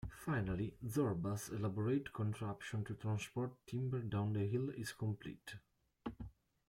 Finally, Zorba's elaborate contraption to transport timber down the hill is complete.